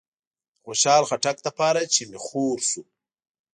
د خوشحال خټک لپاره چې می خور شو